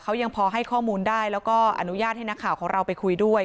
เขายังพอให้ข้อมูลได้แล้วก็อนุญาตให้นักข่าวของเราไปคุยด้วย